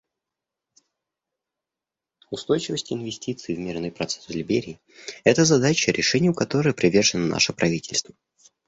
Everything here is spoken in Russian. Устойчивость инвестиций в мирный процесс в Либерии — это задача, решению которой привержено наше правительство.